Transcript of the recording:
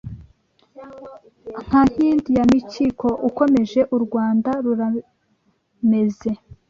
Nka Nkindi ya Mikiko Ukomeje u Rwanda rurameze